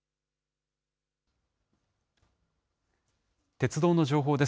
鉄道の情報です。